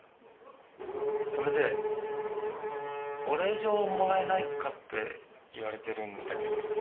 それでお礼状をもらえないかって言われてるんだけど。